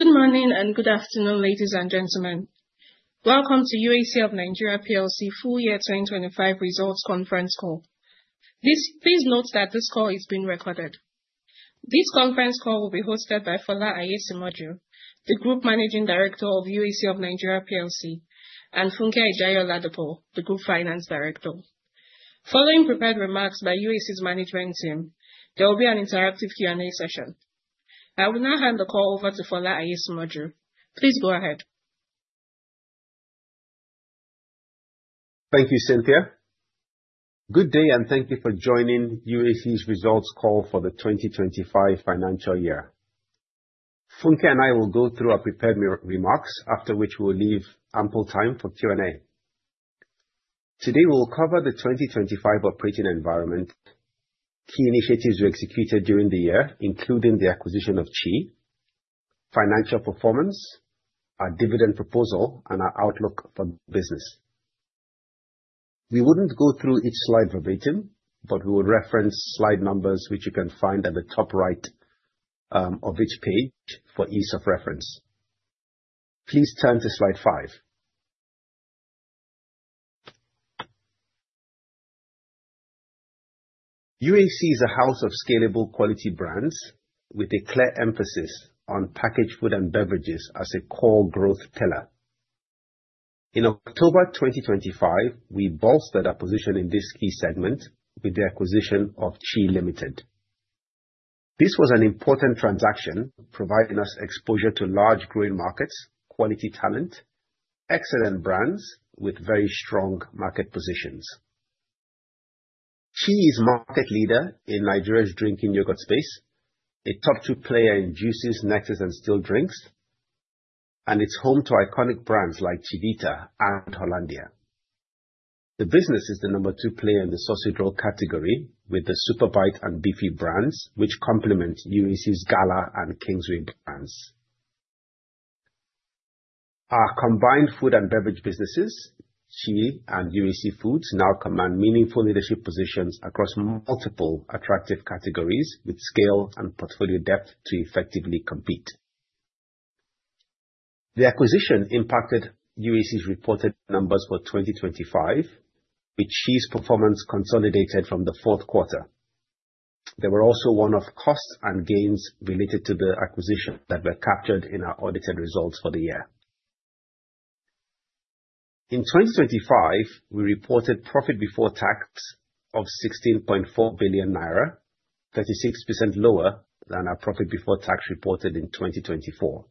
Good morning and good afternoon, ladies and gentlemen. Welcome to UAC of Nigeria PLC full year 2025 results conference call. Please note that this call is being recorded. This conference call will be hosted by Fola Aiyesimoju, the Group Managing Director of UAC of Nigeria PLC and Funke Ijaiya-Oladipo, the Group Finance Director. Following prepared remarks by UAC's management team, there will be an interactive Q&A session. I will now hand the call over to Fola Aiyesimoju. Please go ahead. Thank you, Cynthia. Good day, and thank you for joining UAC's results call for the 2025 financial year. Funke and I will go through our prepared remarks, after which we will leave ample time for Q&A. Today, we will cover the 2025 operating environment, key initiatives we executed during the year, including the acquisition of C.H.I., financial performance, our dividend proposal, and our outlook for business. We would not go through each slide verbatim, but we will reference slide numbers, which you can find at the top right of each page for ease of reference. Please turn to slide five. UAC is a house of scalable quality brands with a clear emphasis on Packaged Food & Beverages as a core growth pillar. In October 2025, we bolstered our position in this key segment with the acquisition of C.H.I. Limited. This was an important transaction, providing us exposure to large growing markets, quality talent, excellent brands with very strong market positions. C.H.I. is market leader in Nigeria's drinking yogurt space, a top 2 player in juices, nectars, and still drinks, and it is home to iconic brands like Chivita and Hollandia. The business is the number 2 player in the sausage roll category with the SuperBite and Beefie brands, which complement UAC's Gala and Kingsway brands. Our combined food and beverage businesses, C.H.I. and UAC Foods, now command meaningful leadership positions across multiple attractive categories with scale and portfolio depth to effectively compete. The acquisition impacted UAC's reported numbers for 2025, with C.H.I.'s performance consolidated from the fourth quarter. There were also one-off costs and gains related to the acquisition that were captured in our audited results for the year. In 2025, we reported profit before tax of 16.4 billion naira, 36% lower than our profit before tax reported in 2024.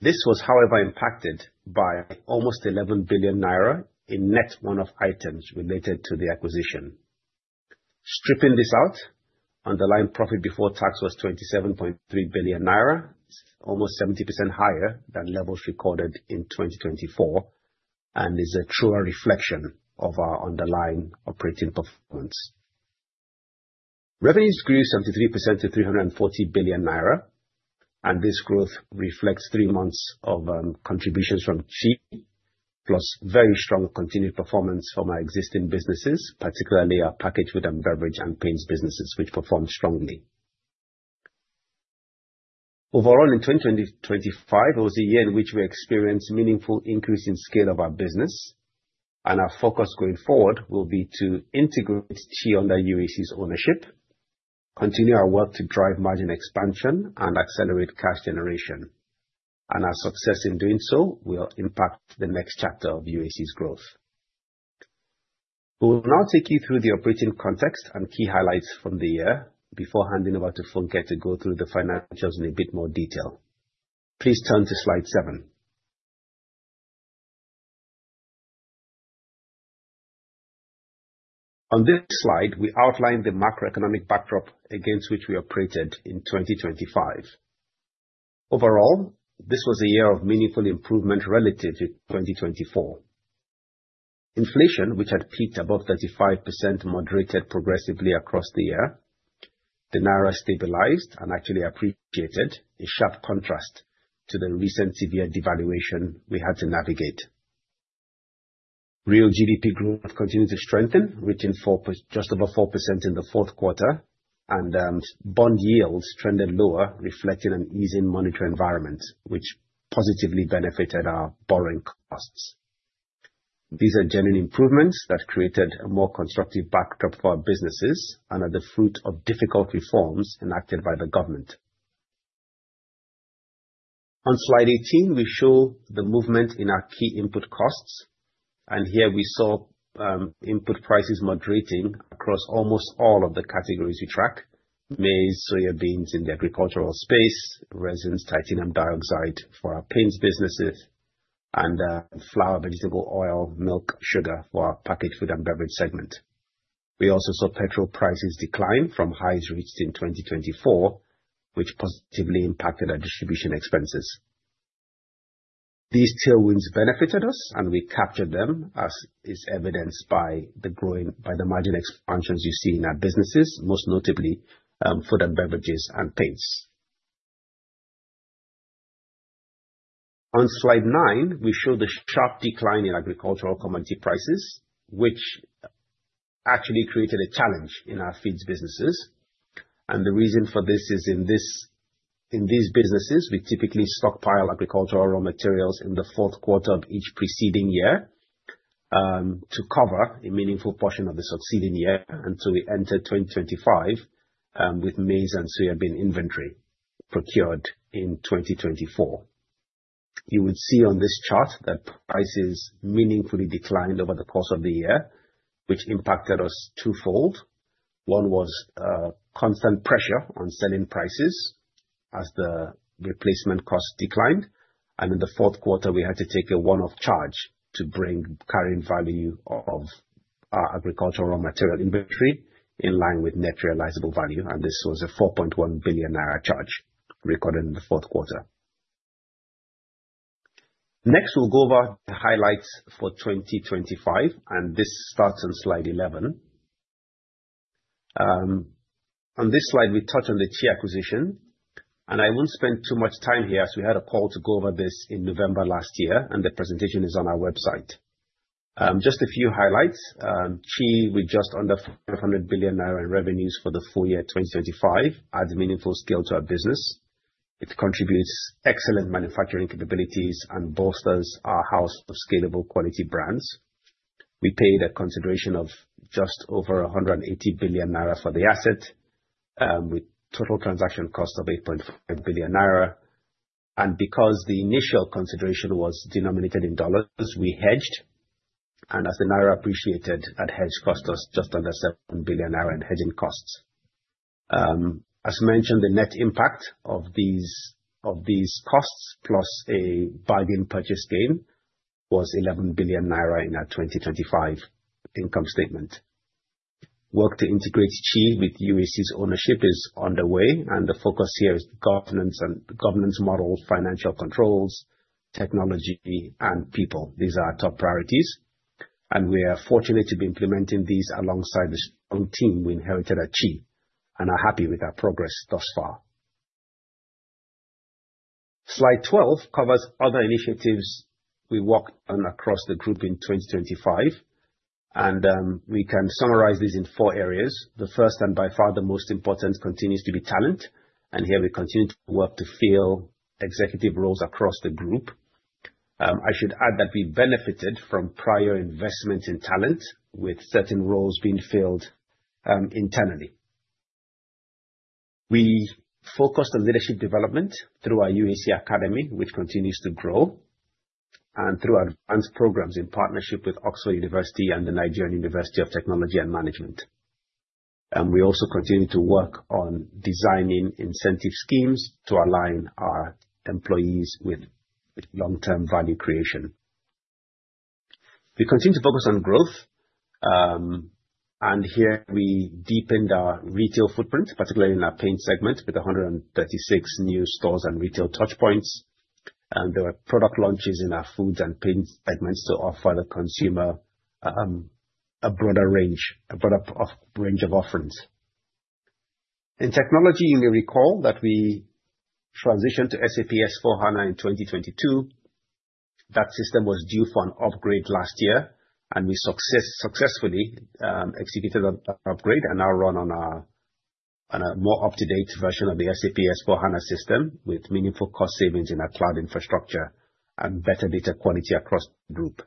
This was, however, impacted by almost 11 billion naira in net one-off items related to the acquisition. Stripping this out, underlying profit before tax was 27.3 billion naira. It is almost 70% higher than levels recorded in 2024 and is a truer reflection of our underlying operating performance. Revenue grew 73% to 340 billion naira. This growth reflects 3 months of contributions from C.H.I., plus very strong continued performance from our existing businesses, particularly our Packaged Food & Beverages and paints businesses, which performed strongly. Overall, in 2025, it was a year in which we experienced meaningful increase in scale of our business, our focus going forward will be to integrate C.H.I. under UAC's ownership, continue our work to drive margin expansion, and accelerate cash generation. Our success in doing so will impact the next chapter of UAC's growth. We will now take you through the operating context and key highlights from the year before handing over to Funke to go through the financials in a bit more detail. Please turn to slide seven. On this slide, we outline the macroeconomic backdrop against which we operated in 2025. Overall, this was a year of meaningful improvement relative to 2024. Inflation, which had peaked above 35% moderated progressively across the year. The naira stabilized and actually appreciated, a sharp contrast to the recent severe devaluation we had to navigate. Real GDP growth continued to strengthen, reaching just above 4% in the fourth quarter. Bond yields trended lower, reflecting an easing monetary environment which positively benefited our borrowing costs. These are genuine improvements that created a more constructive backdrop for our businesses and are the fruit of difficult reforms enacted by the government. On slide 18, we show the movement in our key input costs, and here we saw input prices moderating across almost all of the categories we track: maize, soybeans in the agricultural space, resins, titanium dioxide for our paints businesses, and flour, vegetable oil, milk, sugar for our Packaged Food & Beverages segment. We also saw petrol prices decline from highs reached in 2024, which positively impacted our distribution expenses. These tailwinds benefited us, and we captured them, as is evidenced by the margin expansions you see in our businesses, most notably Packaged Food & Beverages and paints. On slide nine, we show the sharp decline in agricultural commodity prices, which actually created a challenge in our feeds businesses. The reason for this is in these businesses, we typically stockpile agricultural raw materials in the fourth quarter of each preceding year, to cover a meaningful portion of the succeeding year until we enter 2025, with maize and soybean inventory procured in 2024. You would see on this chart that prices meaningfully declined over the course of the year, which impacted us twofold. One was constant pressure on selling prices as the replacement cost declined. In the fourth quarter, we had to take a one-off charge to bring current value of our agricultural raw material inventory in line with net realizable value. This was a 4.1 billion naira charge recorded in the fourth quarter. Next, we'll go over the highlights for 2025. This starts on slide 11. On this slide, we touch on the C.H.I. acquisition. I won't spend too much time here as we had a call to go over this in November last year. The presentation is on our website. Just a few highlights. C.H.I., with just under 500 billion naira in revenues for the full year 2025, adds meaningful scale to our business. It contributes excellent manufacturing capabilities and bolsters our house of scalable quality brands. We paid a consideration of just over 180 billion naira for the asset, with total transaction cost of 8.5 billion naira. Because the initial consideration was denominated in USD, we hedged, and as the naira appreciated, that hedge cost us just under 7 billion naira in hedging costs. As mentioned, the net impact of these costs plus a bargain purchase gain was 11 billion naira in our 2025 income statement. Work to integrate C.H.I. with UAC's ownership is underway, the focus here is governance and governance models, financial controls, technology and people. These are our top priorities, and we are fortunate to be implementing these alongside the strong team we inherited at C.H.I. and are happy with our progress thus far. Slide 12 covers other initiatives we worked on across the group in 2025, we can summarize these in four areas. The first, by far the most important, continues to be talent, here we continue to work to fill executive roles across the group. I should add that we benefited from prior investment in talent, with certain roles being filled internally. We focus on leadership development through our UAC Academy, which continues to grow, through advanced programs in partnership with University of Oxford and the Nigerian University of Technology and Management. We also continue to work on designing incentive schemes to align our employees with long-term value creation. We continue to focus on growth, here we deepened our retail footprint, particularly in our paint segment, with 136 new stores and retail touchpoints. There were product launches in our foods and paints segments to offer the consumer a broader range of offerings. In technology, you may recall that we transitioned to SAP S/4HANA in 2022. That system was due for an upgrade last year, we successfully executed an upgrade and now run on a more up-to-date version of the SAP S/4HANA system with meaningful cost savings in our cloud infrastructure and better data quality across group.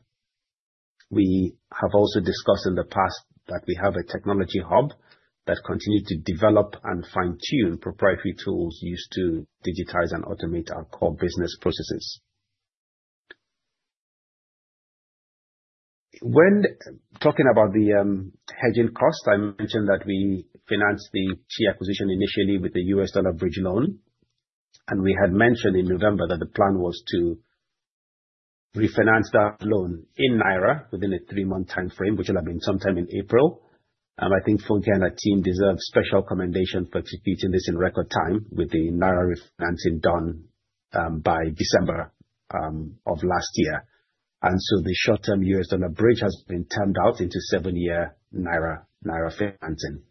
We have also discussed in the past that we have a technology hub that continued to develop and fine-tune proprietary tools used to digitize and automate our core business processes. When talking about the hedging cost, I mentioned that we financed the C.H.I. acquisition initially with the U.S. dollar bridge loan, we had mentioned in November that the plan was to refinance that loan in NGN within a three-month timeframe, which would have been sometime in April. I think Funke and her team deserve special commendation for executing this in record time with the NGN refinancing done by December of last year. The short-term U.S. dollar bridge has been termed out into seven-year NGN financing.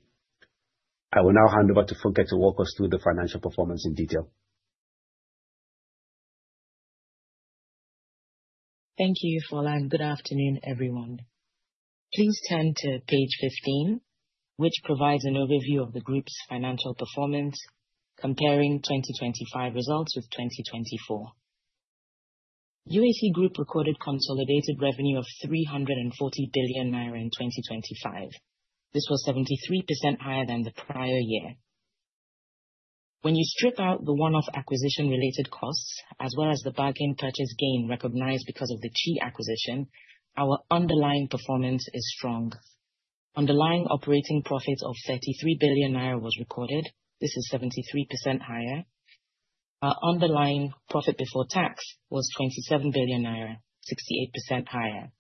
I will now hand over to Funke to walk us through the financial performance in detail. Thank you, Fola, and good afternoon, everyone. Please turn to page 15, which provides an overview of the group's financial performance comparing 2025 results with 2024. UAC Group recorded consolidated revenue of 340 billion naira in 2025. This was 73% higher than the prior year. When you strip out the one-off acquisition related costs as well as the bargain purchase gain recognized because of the C.H.I. acquisition, our underlying performance is strong. Underlying operating profit of 33 billion naira was recorded. This is 73% higher. Our underlying profit before tax was 27 billion naira, 68% higher.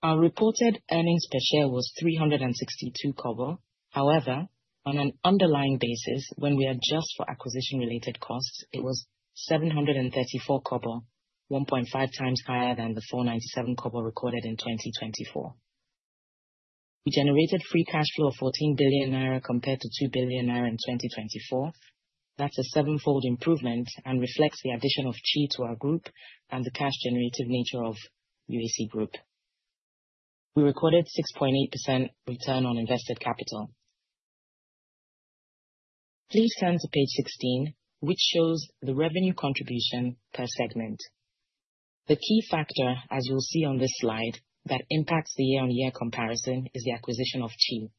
Our reported earnings per share was 3.62. However, on an underlying basis, when we adjust for acquisition related costs, it was 7.34, 1.5 times higher than the 4.97 recorded in 2024. We generated free cash flow of 14 billion naira compared to 2 billion naira in 2024. That's a sevenfold improvement and reflects the addition of C.H.I. to our group and the cash generative nature of UAC Group. We recorded 6.8% return on invested capital. Please turn to page 16, which shows the revenue contribution per segment. The key factor, as you'll see on this slide, that impacts the year-on-year comparison is the acquisition of C.H.I.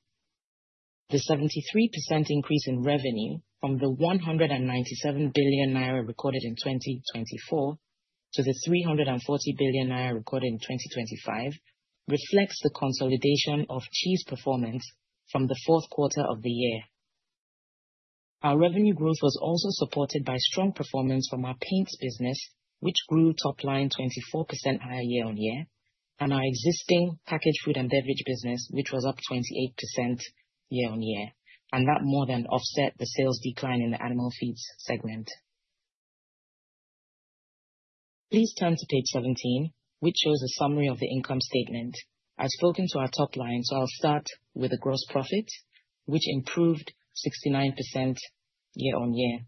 The 73% increase in revenue from the 197 billion naira recorded in 2024 to the 340 billion naira recorded in 2025 reflects the consolidation of C.H.I.'s performance from the fourth quarter of the year. Our revenue growth was also supported by strong performance from our paints business, which grew top line 24% higher year-on-year, and our existing Packaged Food & Beverages business, which was up 28% year-on-year. That more than offset the sales decline in the animal feeds segment. Please turn to page 17, which shows a summary of the income statement. I've spoken to our top line, so I'll start with the gross profit, which improved 69% year-on-year.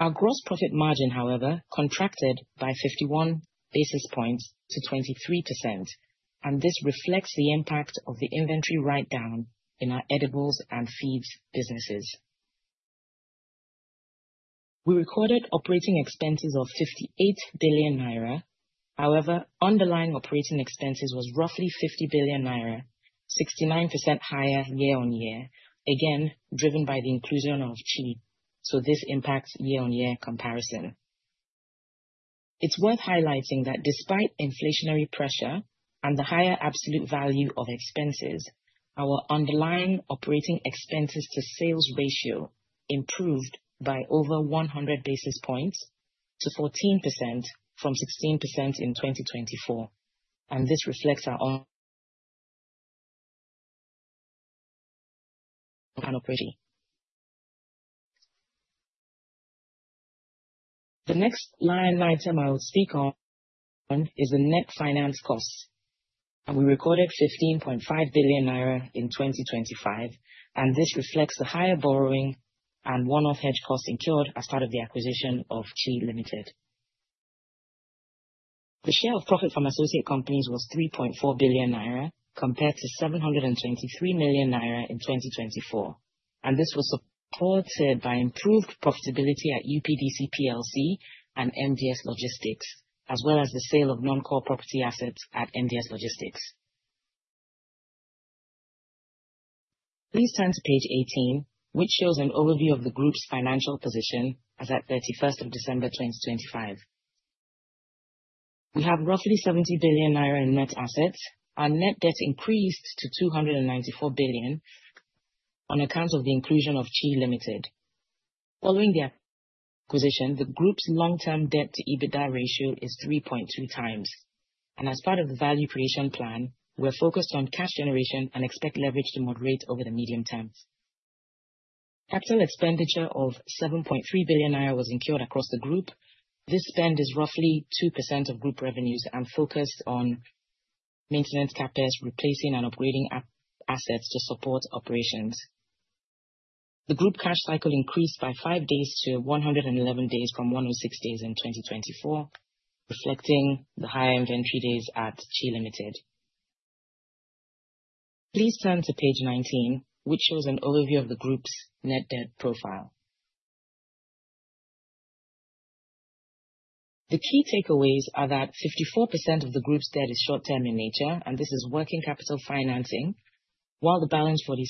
Our gross profit margin, however, contracted by 51 basis points to 23%, and this reflects the impact of the inventory write-down in our Edibles and Feed businesses. We recorded operating expenses of 58 billion naira. However, underlying operating expenses was roughly 50 billion naira, 69% higher year-on-year, again, driven by the inclusion of C.H.I. This impacts year-on-year comparison. It's worth highlighting that despite inflationary pressure and the higher absolute value of expenses, our underlying operating expenses to sales ratio improved by over 100 basis points to 14%, from 16% in 2024. This reflects our operating. The next line item I will speak on is the net finance costs. We recorded 15.5 billion naira in 2025. This reflects the higher borrowing and one-off hedge costs incurred as part of the acquisition of C.H.I. Limited. The share of profit from associate companies was 3.4 billion naira, compared to 723 million naira in 2024. This was supported by improved profitability at UPDC Plc and MDS Logistics, as well as the sale of non-core property assets at MDS Logistics. Please turn to page 18, which shows an overview of the group's financial position as at 31st of December 2025. We have roughly 70 billion naira in net assets. Our net debt increased to 294 billion on account of the inclusion of C.H.I. Limited. Following the acquisition, the group's long-term debt to EBITDA ratio is 3.2 times. As part of the value creation plan, we're focused on cash generation and expect leverage to moderate over the medium term. Capital expenditure of 7.3 billion naira was incurred across the group. This spend is roughly 2% of group revenues and focused on maintenance CapEx, replacing and upgrading assets to support operations. The group cash cycle increased by five days to 111 days from 106 days in 2024, reflecting the higher inventory days at C.H.I. Limited. Please turn to page 19, which shows an overview of the group's net debt profile. The key takeaways are that 54% of the group's debt is short-term in nature, and this is working capital financing. While the balance, 46%,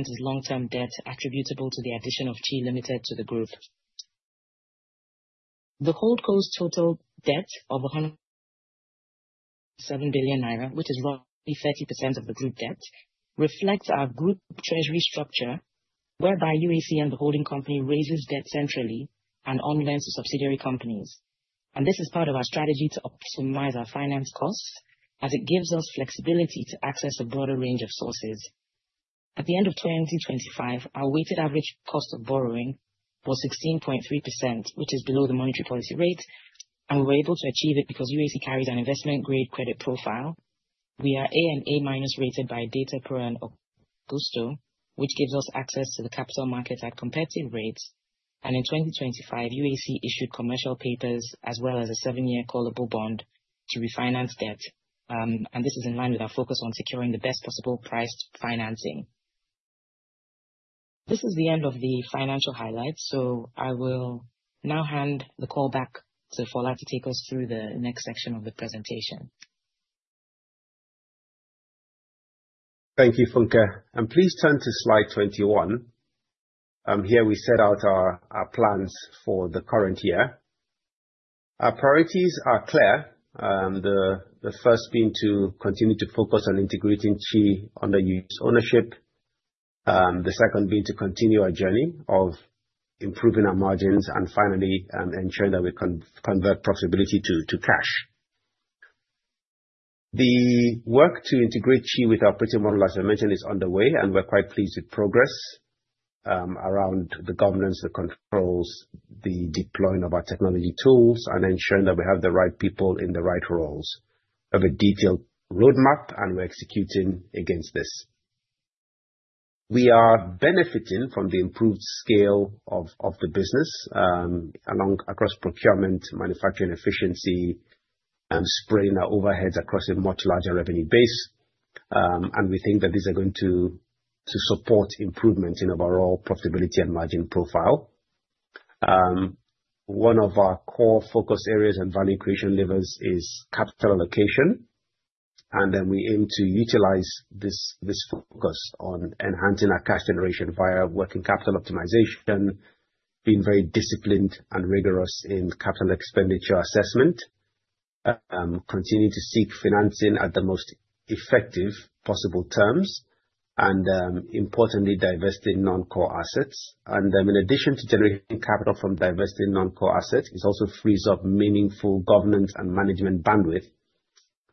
is long-term debt attributable to the addition of C.H.I. Limited to the group. The holdco's total debt of 107 billion naira, which is roughly 30% of the group debt, reflects our group treasury structure, whereby UAC and the holding company raises debt centrally and on-lends to subsidiary companies. This is part of our strategy to optimize our finance costs, as it gives us flexibility to access a broader range of sources. At the end of 2025, our weighted average cost of borrowing was 16.3%, which is below the monetary policy rate, and we were able to achieve it because UAC carries an investment-grade credit profile. We are A and A- rated by DataPro and Agusto & Co., which gives us access to the capital markets at competitive rates. In 2025, UAC issued commercial papers as well as a seven-year callable bond to refinance debt. This is in line with our focus on securing the best possible priced financing. This is the end of the financial highlights, so I will now hand the call back to Fola to take us through the next section of the presentation. Thank you, Funke. Please turn to slide 21. Here we set out our plans for the current year. Our priorities are clear, the first being to continue to focus on integrating C.H.I. under UAC's ownership. The second being to continue our journey of improving our margins, and finally, ensure that we convert profitability to cash. The work to integrate C.H.I. with our operating model, as I mentioned, is underway, and we're quite pleased with progress Around the governance that controls the deploying of our technology tools and ensuring that we have the right people in the right roles. We have a detailed roadmap, and we're executing against this. We are benefiting from the improved scale of the business across procurement, manufacturing efficiency, and spreading our overheads across a much larger revenue base. We think that these are going to support improvement in overall profitability and margin profile. One of our core focus areas and value creation levers is capital allocation. We aim to utilize this focus on enhancing our cash generation via working capital optimization, being very disciplined and rigorous in capital expenditure assessment, continuing to seek financing at the most effective possible terms, and, importantly, divesting non-core assets. In addition to generating capital from divesting non-core assets, it also frees up meaningful governance and management bandwidth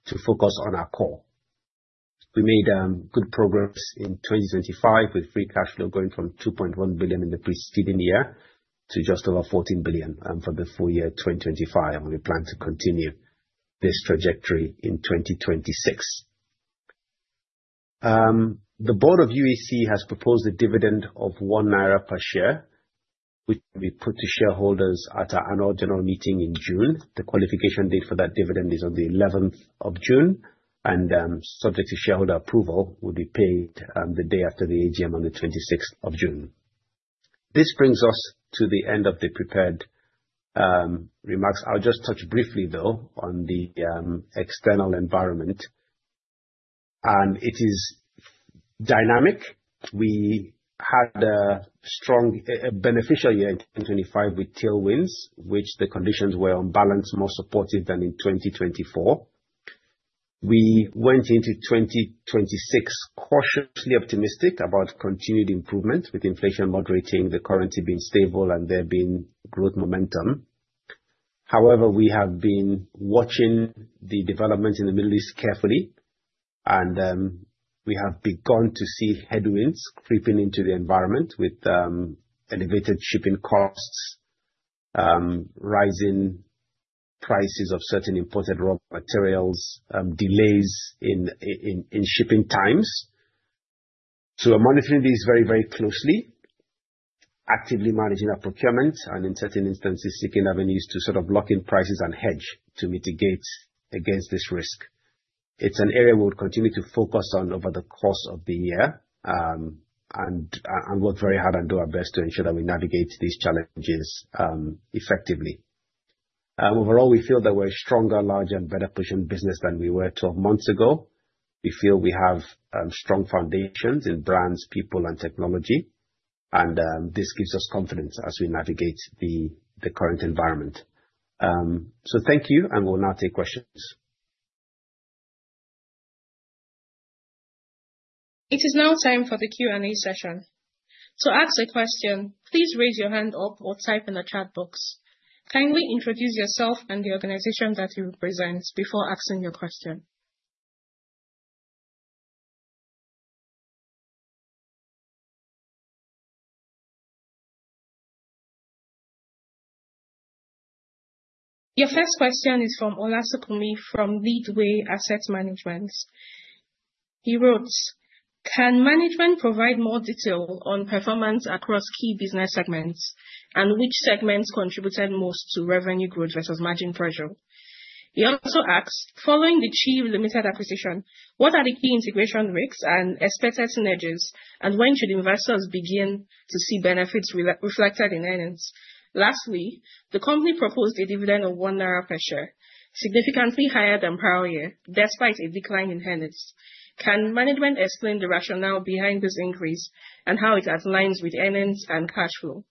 to focus on our core. We made good progress in 2025 with free cash flow going from 2.1 billion in the preceding year to just over 14 billion for the full year 2025. We plan to continue this trajectory in 2026. The board of UAC has proposed a dividend of EUR 1 per share, which will be put to shareholders at our annual general meeting in June. The qualification date for that dividend is on the 11th of June and, subject to shareholder approval, will be paid the day after the AGM on the 26th of June. It is dynamic. We had a strong beneficial year in 2025 with tailwinds, which the conditions were on balance more supportive than in 2024. We went into 2026 cautiously optimistic about continued improvement with inflation moderating, the currency being stable, and there being growth momentum. However, we have been watching the developments in the Middle East carefully, and we have begun to see headwinds creeping into the environment with elevated shipping costs, rising prices of certain imported raw materials, delays in shipping times. We're monitoring these very closely, actively managing our procurement and in certain instances, seeking avenues to sort of lock in prices and hedge to mitigate against this risk. It's an area we would continue to focus on over the course of the year and work very hard and do our best to ensure that we navigate these challenges effectively. Overall, we feel that we're a stronger, larger, and better positioned business than we were 12 months ago. We feel we have strong foundations in brands, people, and technology, and this gives us confidence as we navigate the current environment. Thank you, and we'll now take questions. It is now time for the Q&A session. To ask a question, please raise your hand up or type in the chat box. Kindly introduce yourself and the organization that you represent before asking your question. Your first question is from Olasupomi from Leadway Asset Management. He wrote: "Can management provide more detail on performance across key business segments and which segments contributed most to revenue growth versus margin pressure?" He also asked: "Following the C.H.I. Limited acquisition, what are the key integration risks and expected synergies, and when should investors begin to see benefits reflected in earnings? Lastly, the company proposed a dividend of EUR 1 per share, significantly higher than prior year despite a decline in earnings. Can management explain the rationale behind this increase and how it aligns with earnings and cash flow?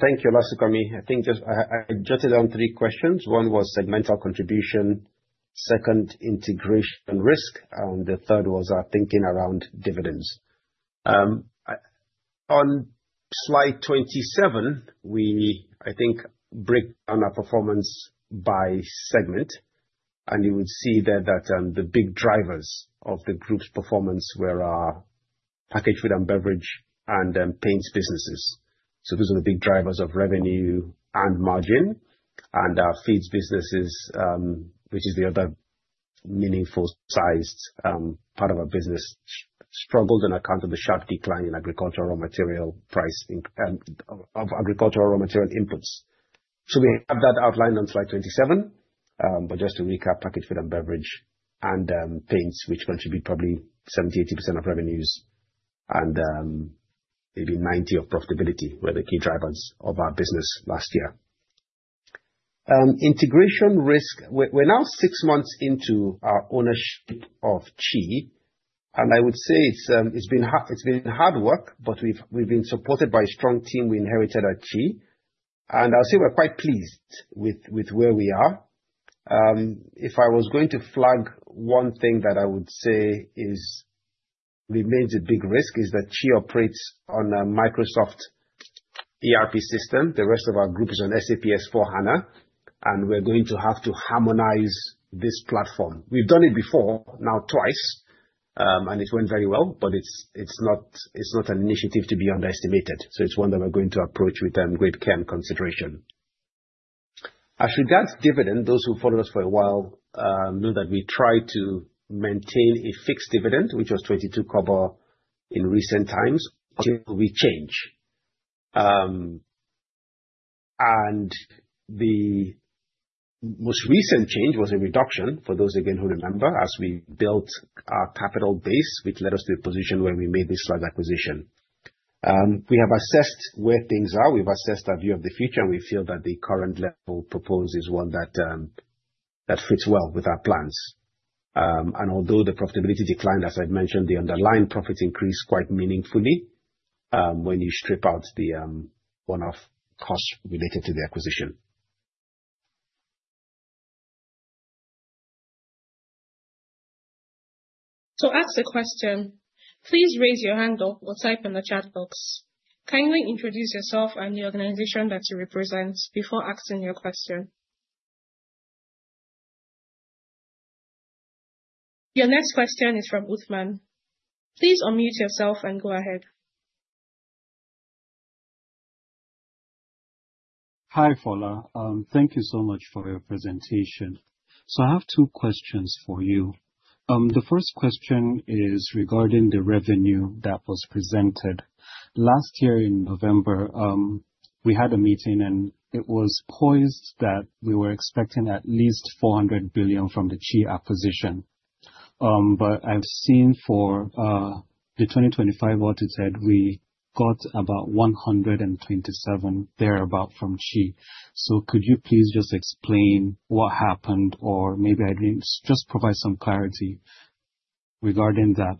Thank you, Olasupomi. I think I jotted down three questions. One was segmental contribution, second, integration risk, and the third was our thinking around dividends. On slide 27, we, I think, break down our performance by segment, and you would see there that the big drivers of the group's performance were our Packaged Food & Beverages and paints businesses. Those are the big drivers of revenue and margin. Our feeds business, which is the other meaningful sized part of our business, struggled on account of the sharp decline in agricultural raw material price of agricultural raw material inputs. We have that outlined on slide 27. Just to recap, Packaged Food & Beverages and paints, which contribute probably 70%-80% of revenues and maybe 90% of profitability, were the key drivers of our business last year. Integration risk. We're now six months into our ownership of C.H.I., and I would say it's been hard work, but we've been supported by a strong team we inherited at C.H.I., and I'll say we're quite pleased with where we are. If I was going to flag one thing that I would say remains a big risk is that C.H.I. operates on a Microsoft ERP system. The rest of our group is on SAP S/4HANA, and we're going to have to harmonize this platform. We've done it before, now twice, and it went very well. It's not an initiative to be underestimated. It's one that we're going to approach with great care and consideration. As regards dividend, those who followed us for a while know that we try to maintain a fixed dividend, which was 0.22 in recent times, until we change. The most recent change was a reduction for those, again, who remember, as we built our capital base, which led us to a position where we made this large acquisition. We have assessed where things are, we've assessed our view of the future, and we feel that the current level proposed is one that fits well with our plans. Although the profitability declined, as I've mentioned, the underlying profits increased quite meaningfully, when you strip out the one-off costs related to the acquisition. To ask a question, please raise your hand or type in the chat box. Kindly introduce yourself and the organization that you represent before asking your question. Your next question is from Uthman. Please unmute yourself and go ahead. Hi, Fola. Thank you so much for your presentation. I have two questions for you. The first question is regarding the revenue that was presented. Last year in November, we had a meeting and it was poised that we were expecting at least 400 billion from the C.H.I. acquisition. I've seen for the 2025 audit said we got about 127 thereabout from C.H.I. Could you please just explain what happened or maybe just provide some clarity regarding that?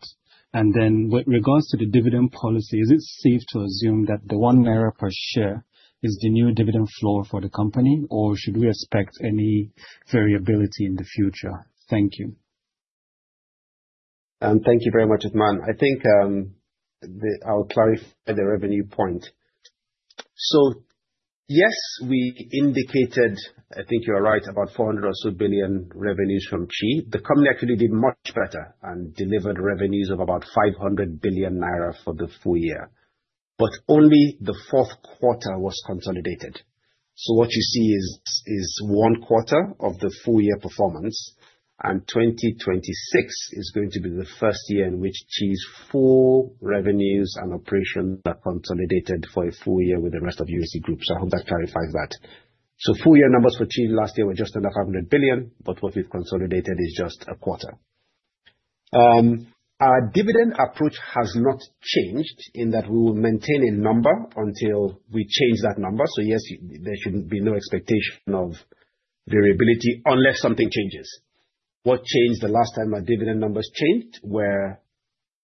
With regards to the dividend policy, is it safe to assume that the 1 naira per share is the new dividend floor for the company, or should we expect any variability in the future? Thank you. Thank you very much, Uthman. I think I'll clarify the revenue point. Yes, we indicated, I think you're right, about 400 or so billion revenues from Chi. The company actually did much better and delivered revenues of about 500 billion naira for the full year. But only the fourth quarter was consolidated. What you see is one quarter of the full year performance, and 2026 is going to be the first year in which Chi's full revenues and operations are consolidated for a full year with the rest of UAC Group. I hope that clarifies that. Full year numbers for Chi last year were just under 500 billion NGN, but what we've consolidated is just a quarter. Our dividend approach has not changed in that we will maintain a number until we change that number. Yes, there should be no expectation of variability unless something changes. What changed the last time our dividend numbers changed were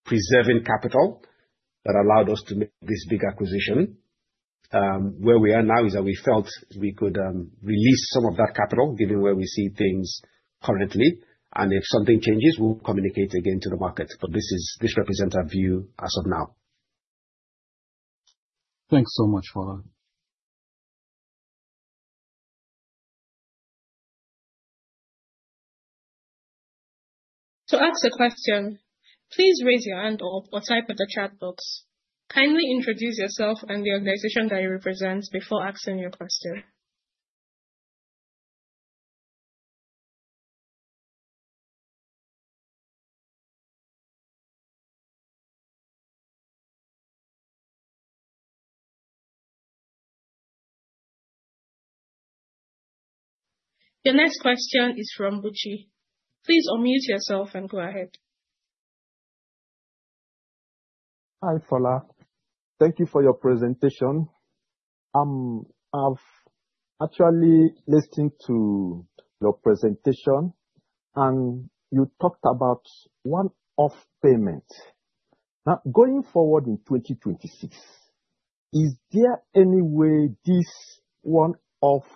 preserving capital that allowed us to make this big acquisition. Where we are now is that we felt we could release some of that capital, given where we see things currently. If something changes, we'll communicate again to the market. This represents our view as of now. Thanks so much, Fola. To ask a question, please raise your hand or type in the chat box. Kindly introduce yourself and the organization that you represent before asking your question. Your next question is from Bucci. Please unmute yourself and go ahead. Hi, Fola. Thank you for your presentation. I've actually listened to your presentation, you talked about one-off payment. Going forward in 2026, is there any way this one-off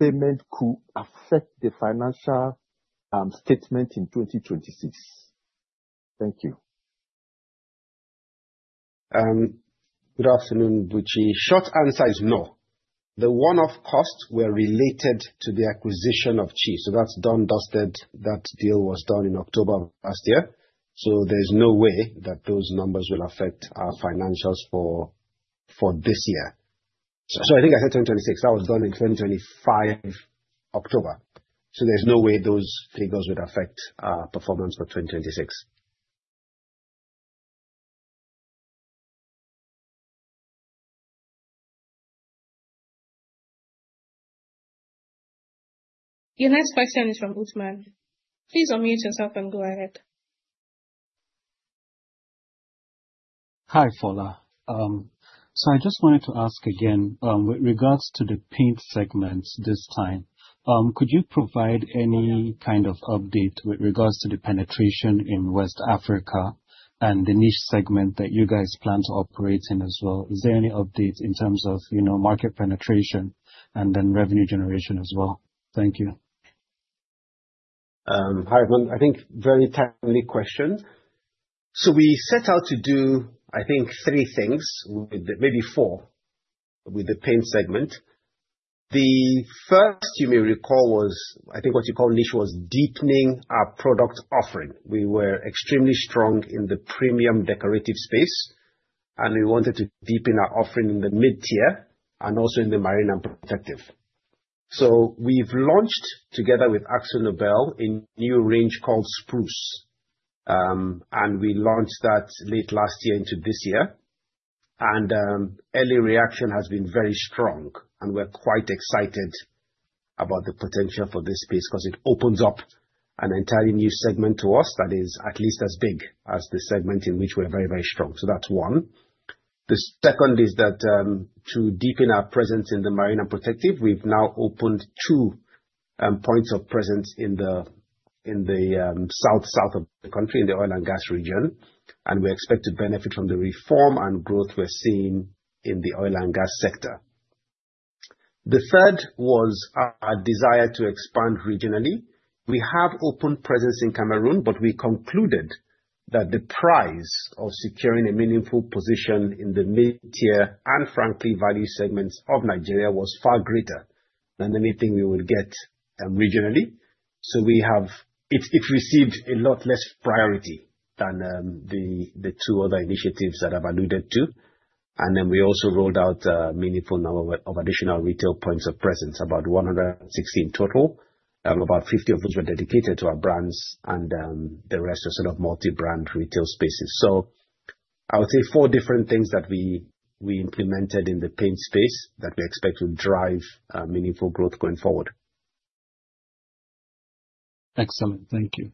payment could affect the financial statement in 2026? Thank you. Good afternoon, Bucci. Short answer is no. The one-off costs were related to the acquisition of C.H.I. That's done, dusted. That deal was done in October of last year. There's no way that those numbers will affect our financials for this year. I think I said 2026. That was done in 2025, October. There's no way those figures would affect our performance for 2026. Your next question is from Uthman. Please unmute yourself and go ahead. Hi, Fola. I just wanted to ask again, with regards to the paint segment this time. Could you provide any kind of update with regards to the penetration in West Africa and the niche segment that you guys plan to operate in as well? Is there any update in terms of market penetration and then revenue generation as well? Thank you. Hi, everyone. I think very timely question. We set out to do, I think three things, maybe four, with the paint segment. The first you may recall was, I think what you call, niche, was deepening our product offering. We were extremely strong in the premium decorative space, and we wanted to deepen our offering in the mid-tier and also in the marine and protective. We've launched together with AkzoNobel a new range called Spruce. We launched that late last year into this year. Early reaction has been very strong, and we're quite excited about the potential for this space because it opens up an entirely new segment to us that is at least as big as the segment in which we're very, very strong. That's one. The second is that, to deepen our presence in the marine and protective, we've now opened two points of presence in the south of the country, in the oil and gas region. We expect to benefit from the reform and growth we're seeing in the oil and gas sector. The third was our desire to expand regionally. We have opened presence in Cameroon, we concluded that the prize of securing a meaningful position in the mid-tier and frankly value segments of Nigeria was far greater than anything we would get regionally. It received a lot less priority than the two other initiatives that I've alluded to. We also rolled out a meaningful number of additional retail points of presence, about 116 total, about 50 of which were dedicated to our brands and the rest are sort of multi-brand retail spaces. I would say four different things that we implemented in the paint space that we expect will drive meaningful growth going forward. Excellent. Thank you.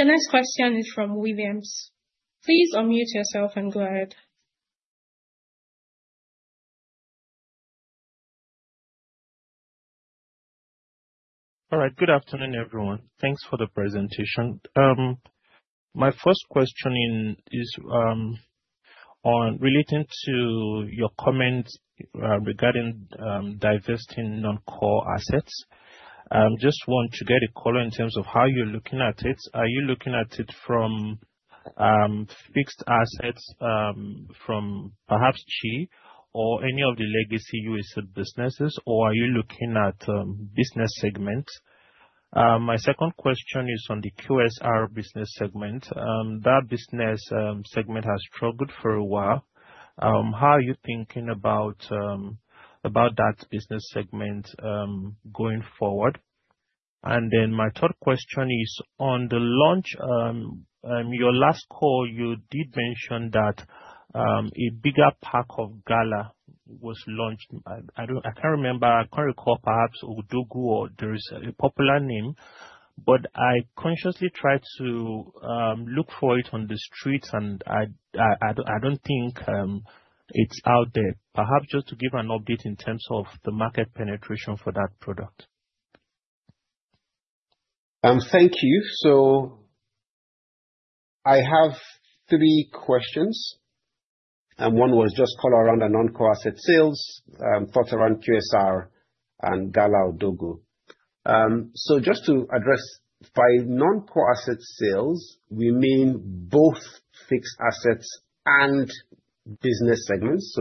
Your next question is from Williams. Please unmute yourself and go ahead. All right. Good afternoon, everyone. Thanks for the presentation. My first question is relating to your comment regarding divesting non-core assets. Just want to get a call in terms of how you're looking at it. Are you looking at it from fixed assets, from perhaps C.H.I. or any of the legacy UAC businesses? Or are you looking at business segments? My second question is on the QSR business segment. That business segment has struggled for a while. How are you thinking about that business segment going forward? My third question is on the launch. On your last call, you did mention that a bigger pack of Gala was launched. I can't remember, I can't recall perhaps Odogwu or there is a popular name, but I consciously try to look for it on the streets, and I don't think it's out there. Perhaps just to give an update in terms of the market penetration for that product. Thank you. I have three questions, and one was just call around a non-core asset sales, thought around QSR and Gala Odogwu. Just to address, by non-core asset sales, we mean both fixed assets and business segments.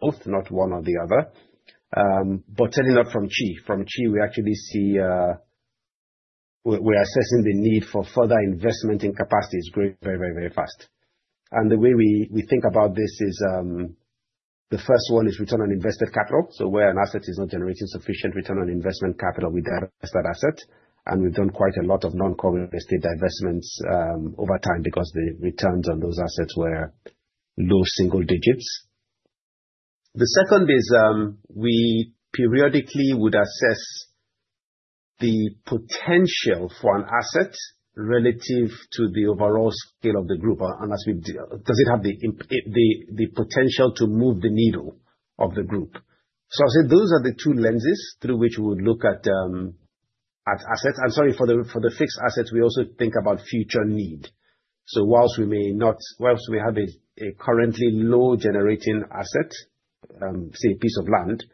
Both, not one or the other. Certainly not from C.H.I. From C.H.I., we're assessing the need for further investment in capacities very fast. The way we think about this is, the first one is return on invested capital. Where an asset is not generating sufficient return on investment capital, we divest that asset. We've done quite a lot of non-core real estate divestments over time because the returns on those assets were low single digits. The second is, we periodically would assess the potential for an asset relative to the overall scale of the group. Does it have the potential to move the needle of the group? I said those are the two lenses through which we would look at assets. Sorry, for the fixed assets, we also think about future need. Whilst we have a currently low generating asset, say a piece of land,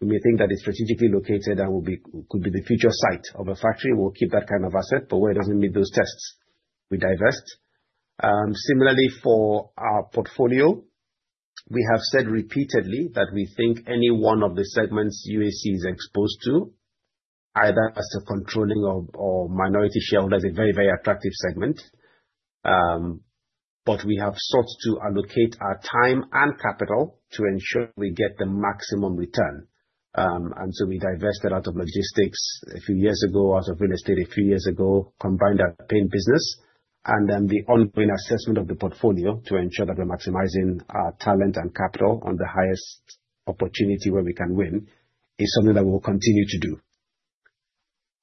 we may think that it's strategically located and could be the future site of a factory, we'll keep that kind of asset. Where it doesn't meet those tests, we divest. Similarly for our portfolio, we have said repeatedly that we think any one of the segments UAC is exposed to, either as a controlling or minority shareholder, is a very attractive segment. We have sought to allocate our time and capital to ensure we get the maximum return. We divested out of logistics a few years ago, out of real estate a few years ago, combined our paint business, then the ongoing assessment of the portfolio to ensure that we're maximizing our talent and capital on the highest opportunity where we can win is something that we'll continue to do.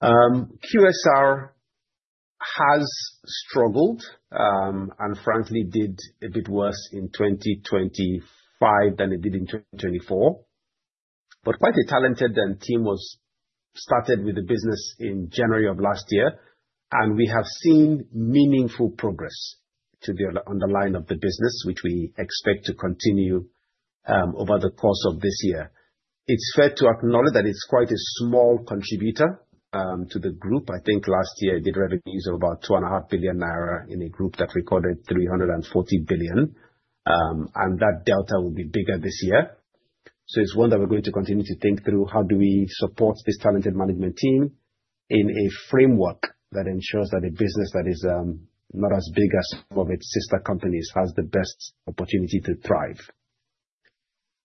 QSR has struggled, and frankly did a bit worse in 2025 than it did in 2024. Quite a talented team was started with the business in January of last year, and we have seen meaningful progress to the underlying of the business, which we expect to continue over the course of this year. It's fair to acknowledge that it's quite a small contributor to the group. I think last year it did revenues of about 2.5 billion naira in a group that recorded 340 billion, and that delta will be bigger this year. It's one that we're going to continue to think through. How do we support this talented management team in a framework that ensures that a business that is not as big as some of its sister companies has the best opportunity to thrive?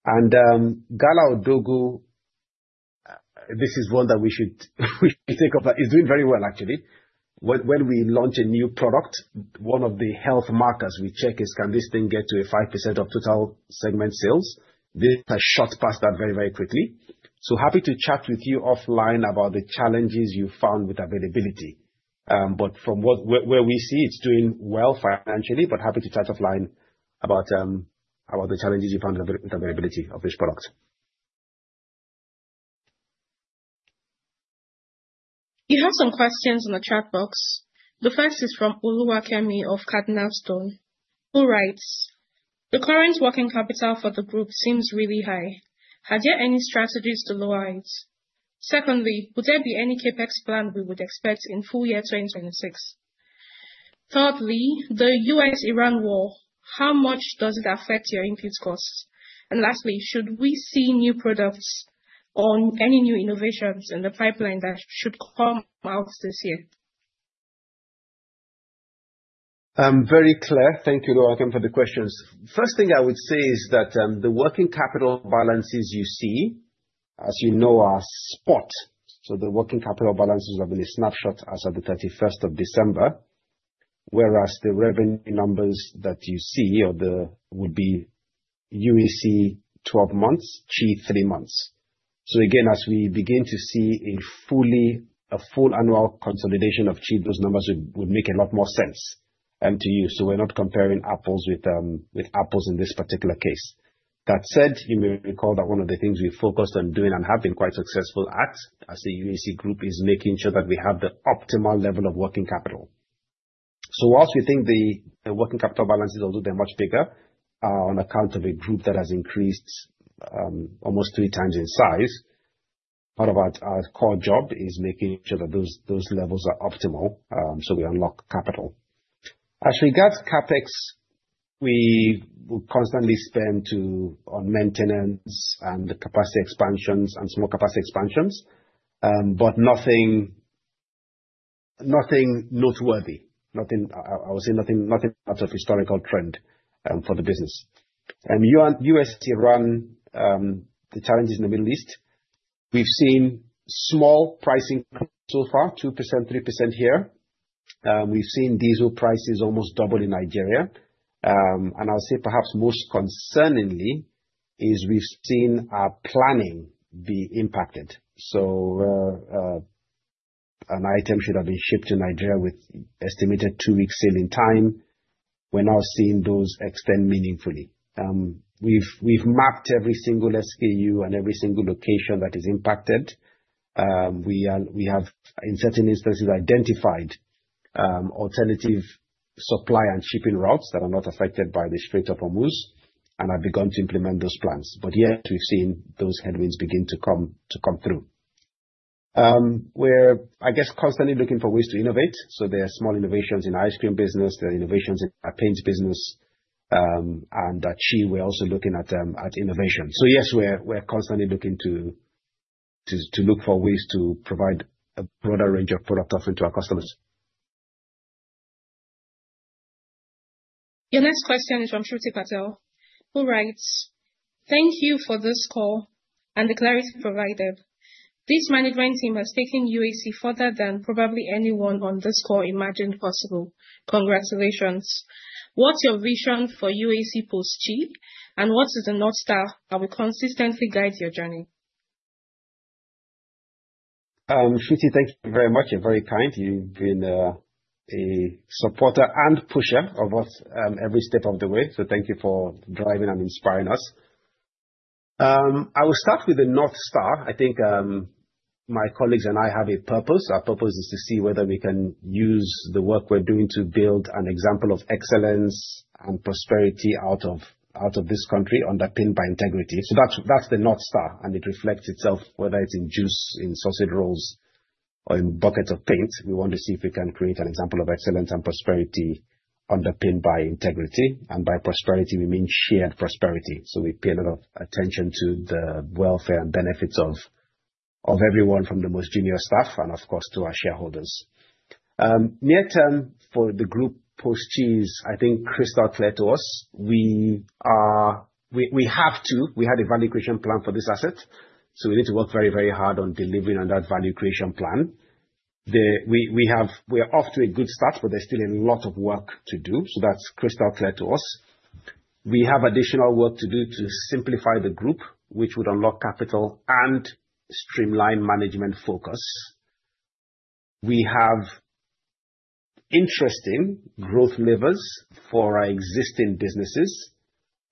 Gala Odogwu, this is one that we should think of. It's doing very well, actually. When we launch a new product, one of the health markers we check is can this thing get to a 5% of total segment sales? This has shot past that very quickly. Happy to chat with you offline about the challenges you found with availability. But from where we see, it's doing well financially, but happy to chat offline about the challenges you found with availability of this product. You have some questions on the chat box. The first is from Oluwakemi of CardinalStone, who writes, "The current working capital for the group seems really high. Are there any strategies to lower it? Secondly, would there be any CapEx plan we would expect in full year 2026? Thirdly, the US-Iran war, how much does it affect your input costs? Lastly, should we see new products or any new innovations in the pipeline that should come out this year? Very clear. Thank you, Oluwakemi, for the questions. First thing I would say is that the working capital balances you see, as you know, are spot. The working capital balances are the snapshot as at the 31st of December, whereas the revenue numbers that you see would be UAC 12 months, Chi three months. Again, as we begin to see a full annual consolidation of Chi, those numbers would make a lot more sense to you. We're not comparing apples with apples in this particular case. That said, you may recall that one of the things we focused on doing and have been quite successful at as a UAC group is making sure that we have the optimal level of working capital. Whilst we think the working capital balances, although they're much bigger on account of a group that has increased almost three times in size, part of our core job is making sure that those levels are optimal, so we unlock capital. Actually, that's CapEx. We constantly spend on maintenance and the capacity expansions and small capacity expansions, but nothing noteworthy. I would say nothing out of historical trend for the business. US-Iran, the challenges in the Middle East, we've seen small pricing so far, 2%-3% here. We've seen diesel prices almost double in Nigeria. I would say perhaps most concerningly, is we've seen our planning be impacted. An item should have been shipped to Nigeria with estimated two weeks sailing time. We're now seeing those extend meaningfully. We've mapped every single SKU and every single location that is impacted. We have, in certain instances, identified alternative supply and shipping routes that are not affected by the Strait of Hormuz and have begun to implement those plans. Yet we've seen those headwinds begin to come through. We're, I guess, constantly looking for ways to innovate. There are small innovations in ice cream business, there are innovations in our paints business, and at Chi, we're also looking at innovation. Yes, we're constantly looking to look for ways to provide a broader range of product offering to our customers. Your next question is from Shruti Patel, who writes, "Thank you for this call and the clarity provided. This management team has taken UAC further than probably anyone on this call imagined possible. Congratulations. What's your vision for UAC post-Chi, and what is the North Star that will consistently guide your journey? Shruti, thank you very much. You're very kind. You've been a supporter and pusher of us every step of the way. Thank you for driving and inspiring us. I will start with the North Star. I think my colleagues and I have a purpose. Our purpose is to see whether we can use the work we're doing to build an example of excellence and prosperity out of this country, underpinned by integrity. That's the North Star, and it reflects itself, whether it's in juice, in sausage rolls, or in buckets of paint. We want to see if we can create an example of excellence and prosperity underpinned by integrity. By prosperity, we mean shared prosperity. We pay a lot of attention to the welfare and benefits of everyone from the most junior staff and of course, to our shareholders. Near term for the group post-Chi is, I think, crystal clear to us. We have to. We had a value creation plan for this asset. We need to work very hard on delivering on that value creation plan. We're off to a good start, but there's still a lot of work to do. That's crystal clear to us. We have additional work to do to simplify the group, which would unlock capital and streamline management focus. We have interesting growth levers for our existing businesses.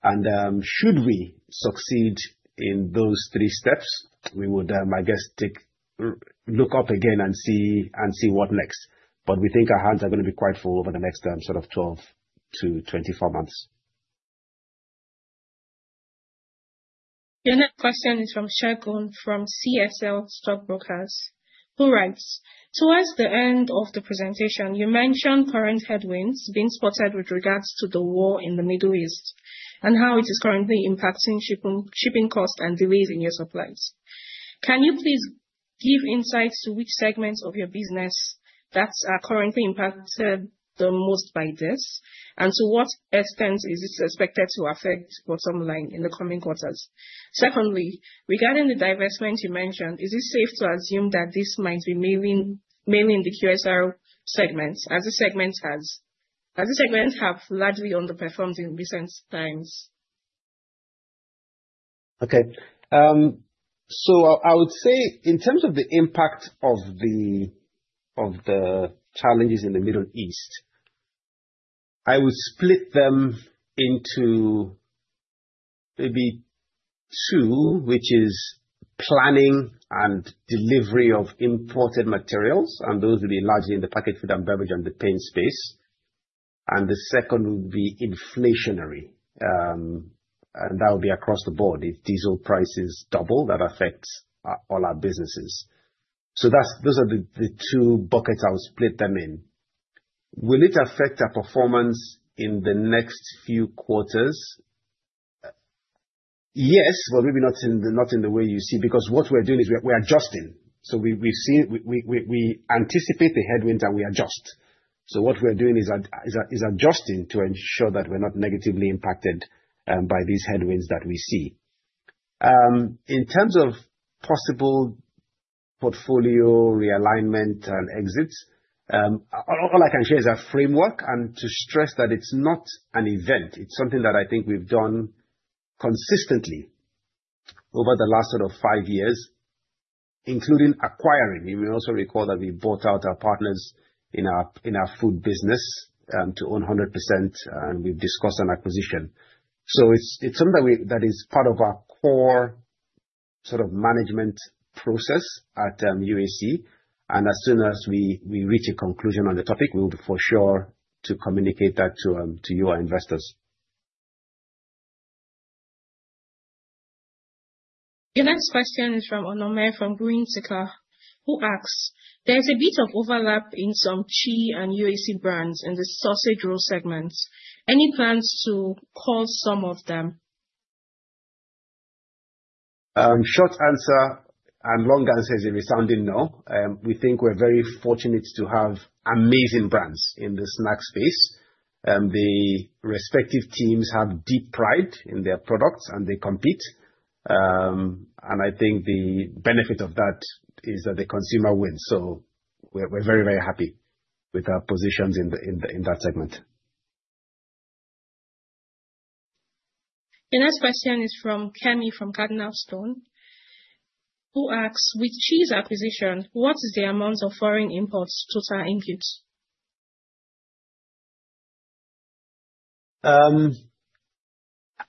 Should we succeed in those three steps, we would, I guess, look up again and see what next. We think our hands are going to be quite full over the next sort of 12 to 24 months. The next question is from Segun from CSL Stockbrokers, who writes, "Towards the end of the presentation, you mentioned current headwinds being spotted with regards to the war in the Middle East and how it is currently impacting shipping costs and delays in your supplies. Can you please give insights to which segments of your business that are currently impacted the most by this, and to what extent is this expected to affect bottom line in the coming quarters? Secondly, regarding the divestment you mentioned, is it safe to assume that this might be mainly in the QSR segment, as this segment have largely underperformed in recent times? Okay. I would say in terms of the impact of the challenges in the Middle East, I would split them into maybe two, which is planning and delivery of imported materials, and those will be largely in the Packaged Food & Beverages and the paint space. The second would be inflationary, and that will be across the board. If diesel prices double, that affects all our businesses. Those are the two buckets I would split them in. Will it affect our performance in the next few quarters? Yes, but maybe not in the way you see, because what we're doing is we're adjusting. We anticipate the headwinds and we adjust. What we're doing is adjusting to ensure that we're not negatively impacted by these headwinds that we see. In terms of possible portfolio realignment and exits, all I can share is our framework and to stress that it's not an event. It's something that I think we've done consistently over the last sort of five years, including acquiring. You may also recall that we bought out our partners in our food business to own 100%. It's something that is part of our core management process at UAC. As soon as we reach a conclusion on the topic, we will for sure communicate that to you, our investors. The next question is from Onome, from Greensicker, who asks, "There's a bit of overlap in some Chi and UAC brands in the sausage roll segment. Any plans to cull some of them? Short answer and long answer is a resounding no. We think we're very fortunate to have amazing brands in the snack space. The respective teams have deep pride in their products and they compete. I think the benefit of that is that the consumer wins. We're very, very happy with our positions in that segment. The next question is from Kemi, from CardinalStone, who asks, "With Chi's acquisition, what is the amount of foreign imports to total inputs?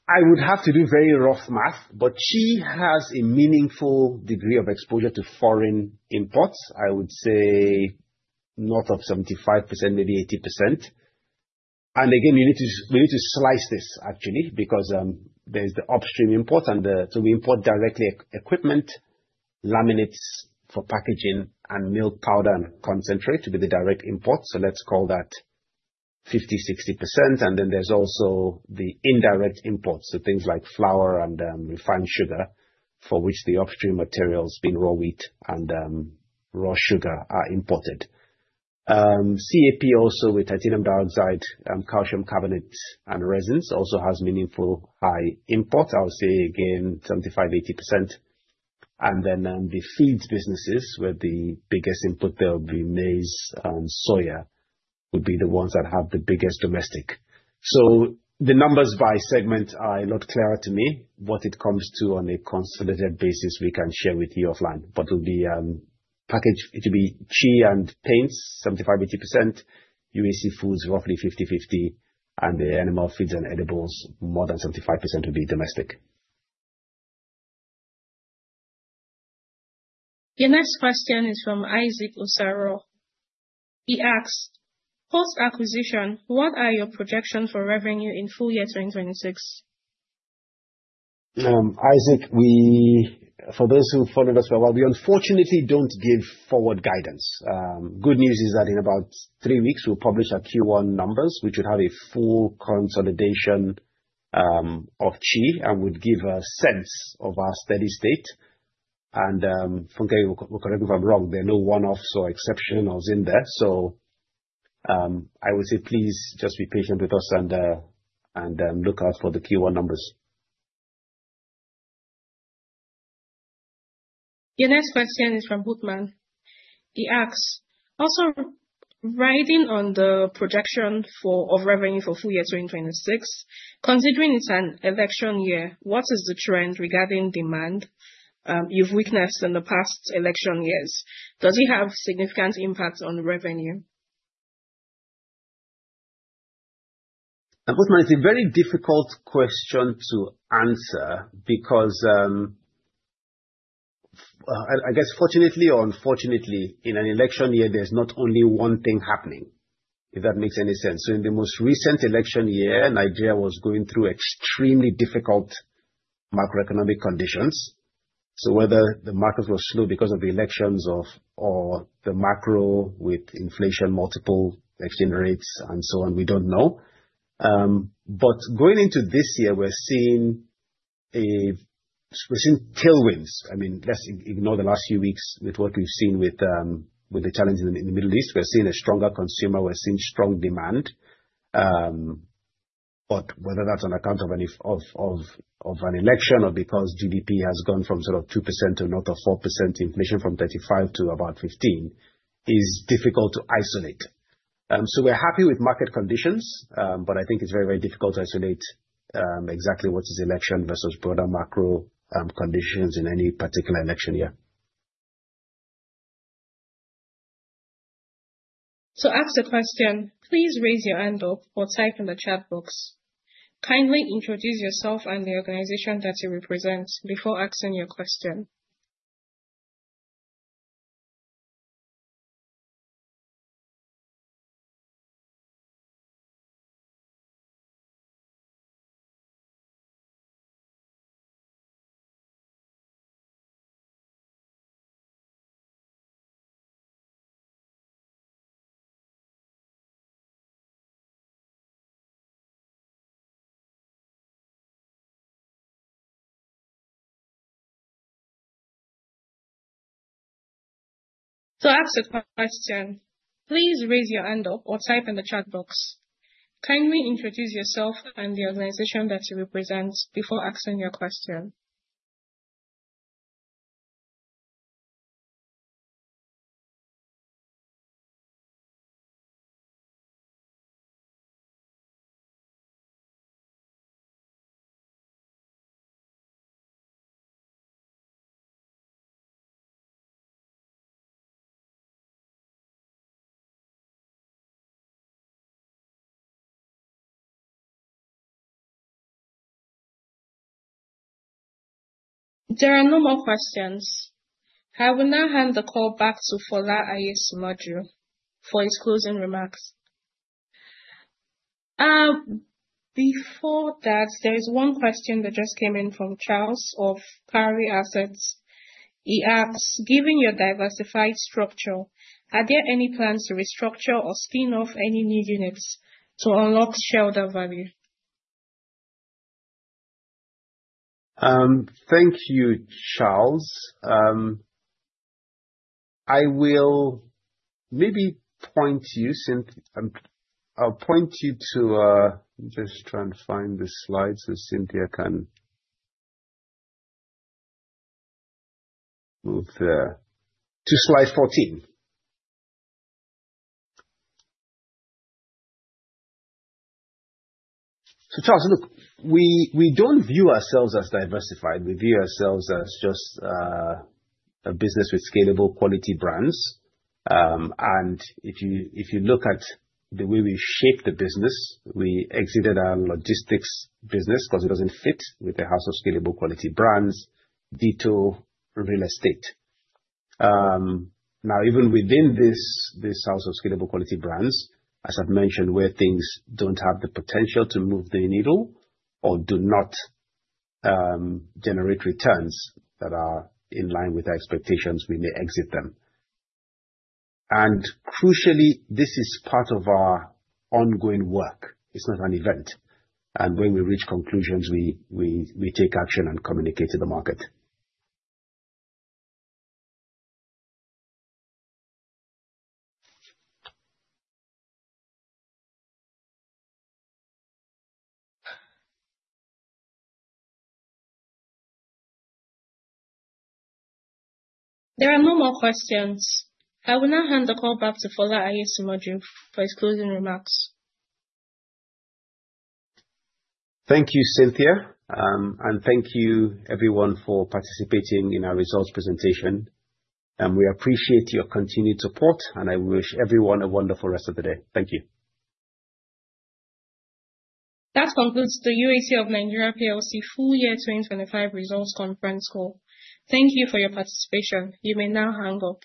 I would have to do very rough math. Chi has a meaningful degree of exposure to foreign imports. I would say north of 75%, maybe 80%. Again, we need to slice this actually, because there's the upstream import. We import directly equipment, laminates for packaging, and milk powder and concentrate will be the direct imports. Let's call that 50%-60%. Then there's also the indirect imports. Things like flour and refined sugar, for which the upstream materials, being raw wheat and raw sugar, are imported. CAP also, with titanium dioxide and calcium carbonate and resins, also has meaningful high import. I'll say again, 75%-80%. Then the feeds businesses were the biggest input. There'll be maize and soya would be the ones that have the biggest domestic. The numbers by segment are a lot clearer to me. What it comes to on a consolidated basis, we can share with you offline. It'll be packaged. It'll be Chi and Paints, 75%-80%. UAC Foods, roughly 50/50. The animal feeds and edibles, more than 75% will be domestic. The next question is from Isaac Osaro. He asks, "Post-acquisition, what are your projections for revenue in full year 2026? Isaac, for those who've followed us for a while, we unfortunately don't give forward guidance. Good news is that in about three weeks, we'll publish our Q1 numbers, which would have a full consolidation of Chi and would give a sense of our steady state. Funke, correct me if I'm wrong, there are no one-offs or exceptionals in there. I would say please just be patient with us and look out for the Q1 numbers. The next question is from Goodman. He asks, "Riding on the projection of revenue for full year 2026, considering it's an election year, what is the trend regarding demand you've witnessed in the past election years? Does it have significant impact on revenue? That one is a very difficult question to answer because, I guess fortunately or unfortunately, in an election year, there's not only one thing happening, if that makes any sense. In the most recent election year, Nigeria was going through extremely difficult macroeconomic conditions. Whether the markets were slow because of the elections or the macro with inflation, multiple exchange rates, and so on, we don't know. Going into this year, we're seeing tailwinds. Let's ignore the last few weeks with what we've seen with the challenges in the Middle East. We're seeing a stronger consumer, we're seeing strong demand. Whether that's on account of an election or because GDP has gone from sort of 2% to now to 4%, inflation from 35% to about 15%, is difficult to isolate. We're happy with market conditions, I think it's very difficult to isolate exactly what is election versus broader macro conditions in any particular election year. To ask a question, please raise your hand up or type in the chat box. Kindly introduce yourself and the organization that you represent before asking your question. To ask a question, please raise your hand up or type in the chat box. Kindly introduce yourself and the organization that you represent before asking your question. There are no more questions. I will now hand the call back to Fola Aiyesimoju for his closing remarks. Before that, there is one question that just came in from Charles of Cowry Asset. He asks, "Given your diversified structure, are there any plans to restructure or spin off any new units to unlock shareholder value? Thank you, Charles. I'll point you to I'm just trying to find the slides so Cynthia can move to slide 14. Charles, look, we don't view ourselves as diversified. We view ourselves as just a business with scalable quality brands. If you look at the way we shaped the business, we exited our logistics business because it doesn't fit with the house of scalable quality brands, ditto real estate. Even within this house of scalable quality brands, as I've mentioned, where things don't have the potential to move the needle or do not generate returns that are in line with our expectations, we may exit them. Crucially, this is part of our ongoing work. It's not an event. When we reach conclusions, we take action and communicate to the market. There are no more questions. I will now hand the call back to Fola Aiyesimoju for his closing remarks. Thank you, Cynthia. Thank you everyone for participating in our results presentation. We appreciate your continued support, and I wish everyone a wonderful rest of the day. Thank you. That concludes the UAC of Nigeria PLC full year 2025 results conference call. Thank you for your participation. You may now hang up.